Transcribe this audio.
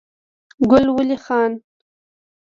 ګل ولي خان